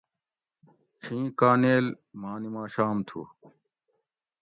چھی کانیل ماں نِماشام تھو